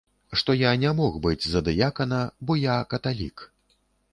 Што я не мог быць за дыякана, бо я каталік.